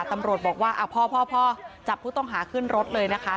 ตำรวจบอกว่าพ่อจับผู้ต้องหาขึ้นรถเลยนะคะ